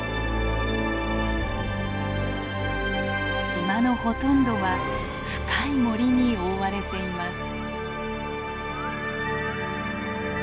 島のほとんどは深い森に覆われています。